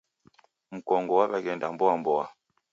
Mkongo waw'eghenda mboa mboa.